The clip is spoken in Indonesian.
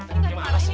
ini nggak ada alasnya